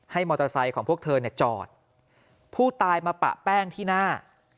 มอเตอร์ไซค์ของพวกเธอเนี่ยจอดผู้ตายมาปะแป้งที่หน้า